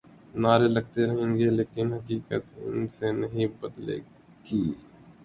نعرے لگتے رہیں گے لیکن حقیقت ان سے نہیں بدلے گی۔